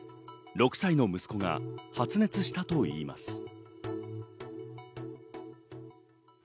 ６歳の息子が発熱したといいます。